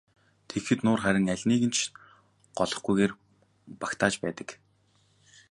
Тэгэхэд нуур харин алиныг нь ч голохгүйгээр багтааж байдаг.